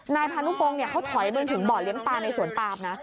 นายพานุพงศ์เขาถอยไปถึงบ่อเลี้ยงปลาในสวนปามนะ